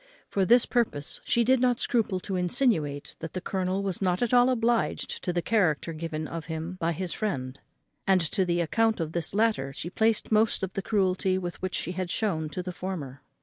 For this purpose she did not scruple to insinuate that the colonel was not at all obliged to the character given of him by his friend, and to the account of this latter she placed most of the cruelty which she had shewn to the former.